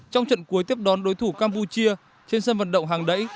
trong trận cuối tiếp đón đối thủ campuchia trên sân vận động hàng đẩy